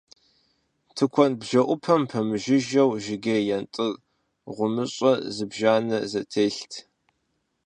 Тыкуэн бжэӀупэм пэмыжыжьэу жыгей ентӀыр гъумыщӀэ зыбжанэ зэтелът.